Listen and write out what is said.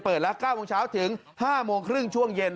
ละ๙โมงเช้าถึง๕โมงครึ่งช่วงเย็น